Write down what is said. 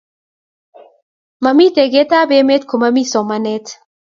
momii tekee kab emee komomii somanet